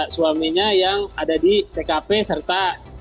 suaminya yang ada di tkp serta